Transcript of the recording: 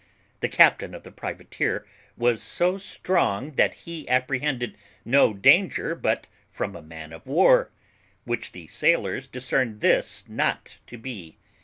The captain of the privateer was so strong that he apprehended no danger but from a man of war, which the sailors discerned this not to be.